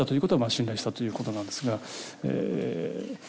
信頼したということなんですが。